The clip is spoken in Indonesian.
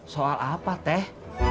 soal apa teh